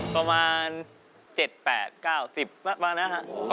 ประมาณ๗๘๙๑๐ประมาณนั้นครับ